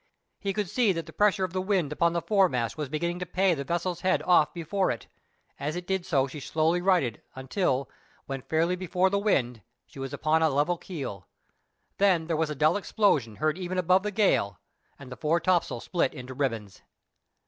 He could see that the pressure of the wind upon the foremast was beginning to pay the vessel's head off before it; as it did so she slowly righted until, when fairly before the wind, she was upon a level keel. Then there was a dull explosion heard even above the gale, and the fore topsail split into ribbons.